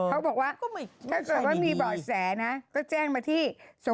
เขาบอกว่ามีบ่อยแสนะก็แจ้งมาที่๐๗๖๕๗๑๗๙๙